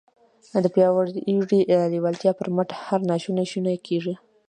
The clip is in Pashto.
د پياوړې لېوالتیا پر مټ هر ناشونی شونی کېږي.